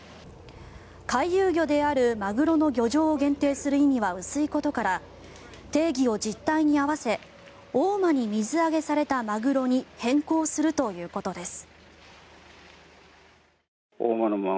回遊魚であるマグロの漁場を限定する意味は薄いことから定義を実態に合わせ大間に水揚げされたマグロに変更するということです。